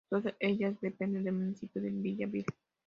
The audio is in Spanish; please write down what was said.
Todas ellas dependen del municipio de Villa Vil.